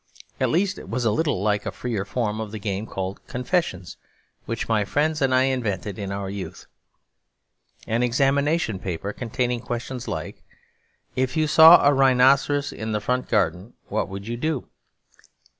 At least it was a little like a freer form of the game called 'Confessions' which my friends and I invented in our youth; an examination paper containing questions like, 'If you saw a rhinoceros in the front garden, what would you do?'